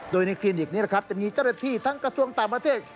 โดยในคลินิกนี้จะมีเจริตที่ทั้งกระทรวงต่างประเทศ